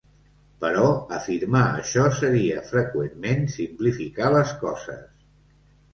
Però afirmar això seria freqüentment simplificar les coses.